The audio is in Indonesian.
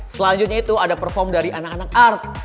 selanjutnya itu ada perform dari anak anak art